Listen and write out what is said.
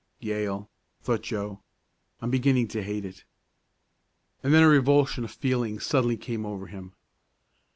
"Yale!" thought Joe. "I'm beginning to hate it!" And then a revulsion of feeling suddenly came over him.